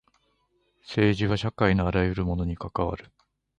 政治は社会のあらゆるものに関わる。